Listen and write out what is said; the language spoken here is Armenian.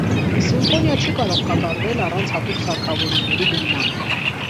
Սիմֆոնիա չի կարող կատարվել առանց հատուկ սարքավորումների գնման։